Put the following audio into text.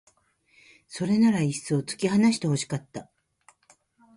それならいっそう突き放して欲しかった